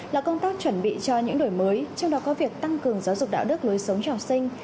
là công tác chuẩn bị cho những đổi mới trong đó có việc tăng cường giáo dục đạo đức lối sống cho học sinh